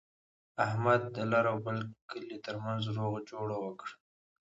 احمد د لر او بر کلي ترمنځ روغه جوړه وکړله.